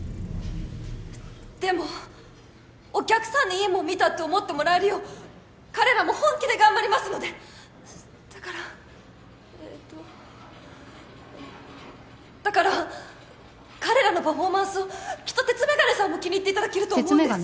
でもお客さんにいいもの見たって思ってもらえるよう彼らも本気で頑張りますのでだからえーとだから彼らのパフォーマンスをきっと鉄眼鏡さんも気に入って鉄眼鏡？